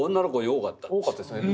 多かったですね。